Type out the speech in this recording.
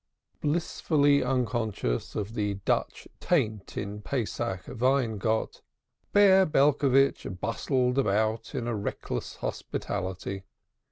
Blissfully unconscious of the Dutch taint in Pesach Weingott, Bear Belcovitch bustled about in reckless hospitality.